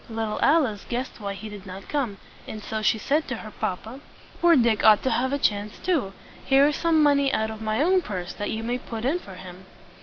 Little Alice guessed why he did not come, and so she said to her papa, "Poor Dick ought to have a chance too. Here is some money out of my own purse that you may put in for him."